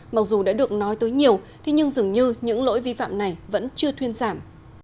mặc dù đã được nói tới nhiều thế nhưng dường như những lỗi vi phạm này vẫn chưa thuyên giảm